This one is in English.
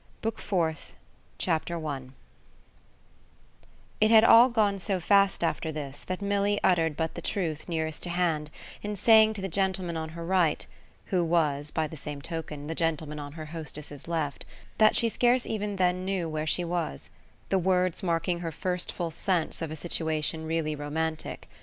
Book Fourth, Chapter 1 It had all gone so fast after this that Milly uttered but the truth nearest to hand in saying to the gentleman on her right who was, by the same token, the gentleman on her hostess's left that she scarce even then knew where she was: the words marking her first full sense of a situation really romantic.